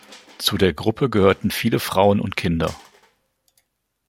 Zu der Gruppe gehörten viele Frauen und Kinder.